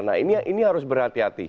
nah ini harus berhati hati